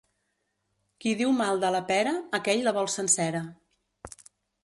Qui diu mal de la pera, aquell la vol sencera.